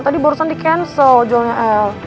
tadi barusan di cancel jualnya el